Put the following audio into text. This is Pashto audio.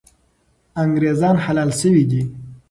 انګریزان حلال سوي دي.